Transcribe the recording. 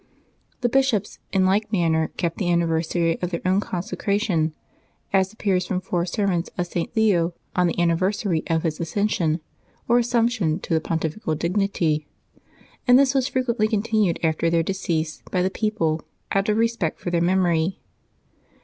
The bishops in like manner kept the anniversary of their own consecra tion, as appears from four sermons of St. Leo on the anniversary of his accession or assumption to the pon tifical dignity; and this was frequently continued after their decease by the people, out of respect for their mem ory.